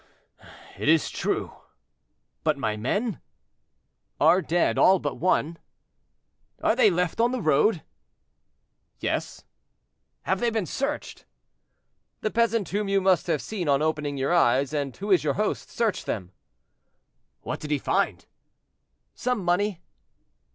"It is true; but my men?" "Are dead, all but one." "Are they left on the road?" "Yes." "Have they been searched?" "The peasant whom you must have seen on opening your eyes, and who is your host, searched them." "What did he find?" "Some money."